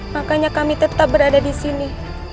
makanya kami tetap berada di sini